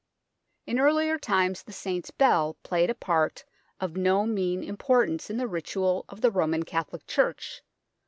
In earlier times the Saint's Bell played a part of no mean importance in the ritual of the Roman Catholic Church.